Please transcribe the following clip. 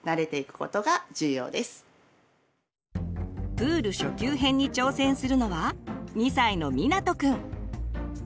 プール初級編に挑戦するのは２歳のみなとくん。